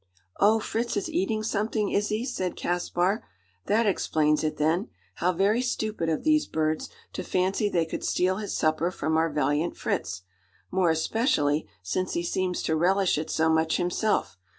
"Oh! Fritz is eating something, is he?" said Caspar. "That explains it then. How very stupid of these birds, to fancy they could steal his supper from our valiant Fritz: more especially since he seems to relish it so much himself!